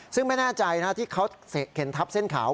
ซึ่งไม่แน่ใจนะที่เขาเข็นทับเส้นขาว